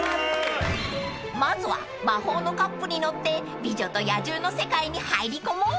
［まずは魔法のカップに乗って『美女と野獣』の世界に入り込もう］